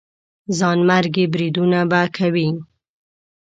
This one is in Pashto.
ځانمرګي بریدونه به کوي.